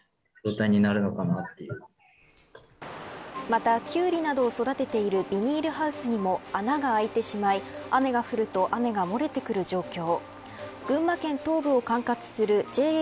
また、キュウリなどを育てているビニールハウスにも穴が開いてしまい雨が降ると雨が漏れてくる状況。